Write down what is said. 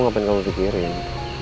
ngapain kamu pikirin